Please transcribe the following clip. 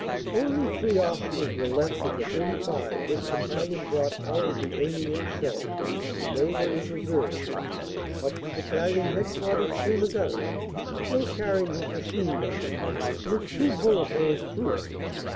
Only three officers were left of the 35 this Battalion brought out of the Amiens show, and they were in reserve. Up to bat talion headquarters came a gunner, still carrying his machine gun, with two bullet holes through it.